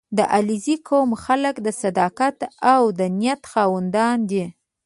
• د علیزي قوم خلک د صداقت او دیانت خاوندان دي.